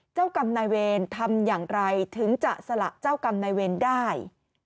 เจ้ากรรมนายเวรทำอย่างไรถึงจะสละเจ้ากรรมนายเวรได้